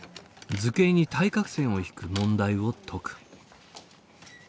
図形に対角線を引く問題を解く。